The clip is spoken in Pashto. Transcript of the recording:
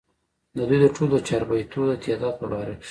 ددوي د ټولو چابېتو د تعداد پۀ باره کښې